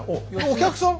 お客さん？